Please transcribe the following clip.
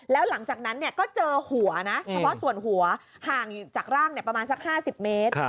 แล้วหลังจากนั้นก็เจอหัวนะเฉพาะส่วนหัวห่างจากร่างประมาณสัก๕๐เมตร